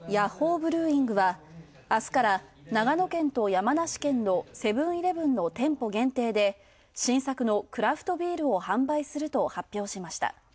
ブルーイングは、あすから長野県と山梨県のセブン−イレブンの店舗限定で新作のクラフトビールを販売すると発表しました。